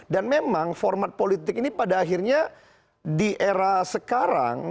dan memang format politik ini pada akhirnya di era sekarang